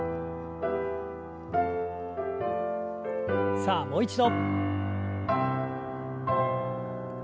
さあもう一度。